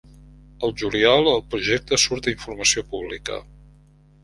Al juliol el projecte surt a informació pública.